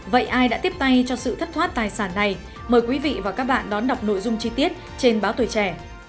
vậy ai đã tiếp tay cho sự thất thoát tài sản này mời quý vị và các bạn đón đọc nội dung chi tiết trên báo tuổi trẻ